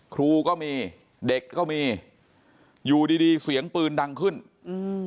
ครูก็มีเด็กก็มีอยู่ดีดีเสียงปืนดังขึ้นอืม